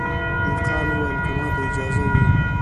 دهقان وویل که ماته اجازه وي